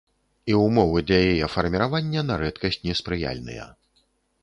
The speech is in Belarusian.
І ўмовы для яе фарміравання на рэдкасць неспрыяльныя.